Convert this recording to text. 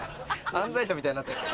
犯罪者みたいになってる。